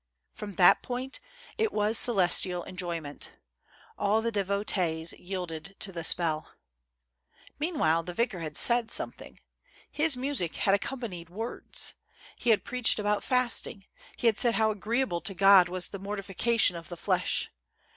From that point it was celestial enjoyment. All the devotees yielded to the spell. Meanwhile, the vicar had said something; his music had accompanied words. He had preached about fast ing ; he had said how agreeable to God was the mortifi cation of the flesh.